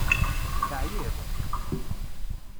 Teɛyiḍ?